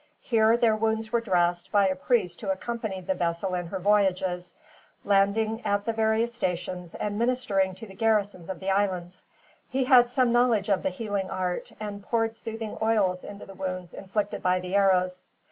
Here their wounds were dressed, by a priest who accompanied the vessel in her voyages, landing at the different stations, and ministering to the garrisons of the islands. He had some knowledge of the healing art, and poured soothing oils into the wounds inflicted by the arrows.